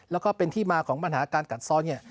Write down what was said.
แล้วก็เป็นที่มาของปัญหาการกัดซ้อนเนี่ย